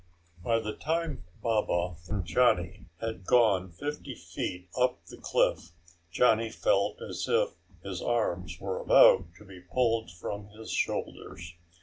_ By the time Baba and Johnny had gone fifty feet up the cliff, Johnny felt as if his arms were about to be pulled from his shoulders.